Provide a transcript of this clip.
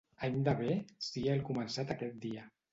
Any de bé sia el començat aquest dia.